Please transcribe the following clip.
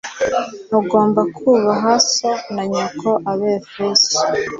ugomba kubaha so na nyoko abefeso